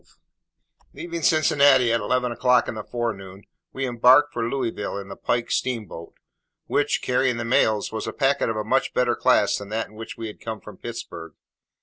LOUIS LEAVING Cincinnati at eleven o'clock in the forenoon, we embarked for Louisville in the Pike steamboat, which, carrying the mails, was a packet of a much better class than that in which we had come from Pittsburg.